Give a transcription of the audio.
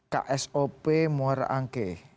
ksop muara angke